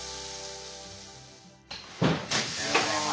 おはようございます。